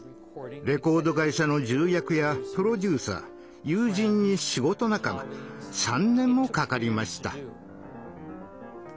レコード会社の重役やプロデューサー友人に仕事仲間３年もかかりました。